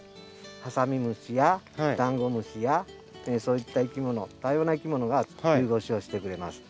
ハサミムシやダンゴムシやそういったいきもの多様ないきものが冬越しをしてくれます。